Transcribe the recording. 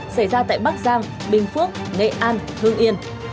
xảy ra tại bắc giang bình phước nghệ an hương yên